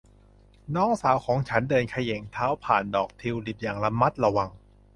น้องสาวของฉันเดินเขย่งเท้าผ่านดอกทิวลิปอย่างระมัดระวัง